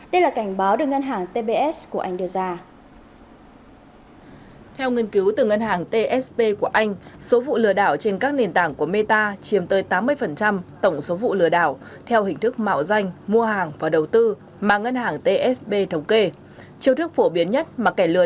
đây là cảnh báo đối với các nền tảng trực tuyến do công nghệ meta sở hữu gồm facebook whatsapp và instagram đã tăng mạnh trong thời gian qua